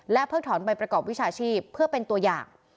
เพิกถอนใบประกอบวิชาชีพเพื่อเป็นตัวอย่าง